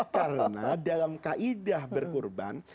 karena dalam kaidah berkurban